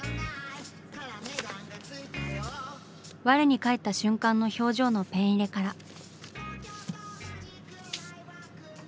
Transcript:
我に返った瞬間の表情のペン入れから。